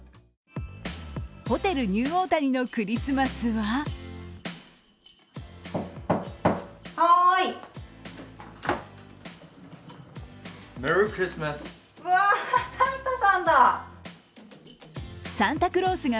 ホテルニューオータニのクリスマスはわー、サンタさんだ！